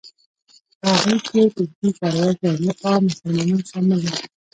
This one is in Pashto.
په هغوی کې ترکي چارواکي او نور عام مسلمانان شامل وو.